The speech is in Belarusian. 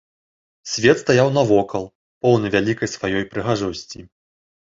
Свет стаяў навокал, поўны вялікай сваёй прыгажосці.